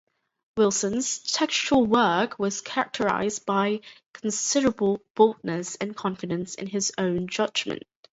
Wilson's textual work was characterised by considerable boldness and confidence in his own judgement.